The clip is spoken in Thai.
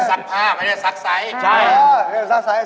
ซักผ้าไม่ได้ซักไซส์